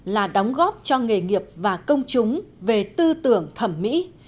là đóng góp cho nghề nghiệp và công chúng về tư tưởng thẩm mỹ